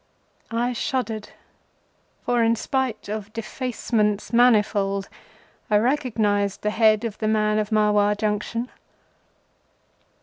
I shuddered, for, in spite of defacements manifold, I recognized the head of the man of Marwar Junction.